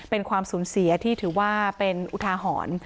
เป็นความสูญเสียที่ถือว่าเป็นอุทาหรณ์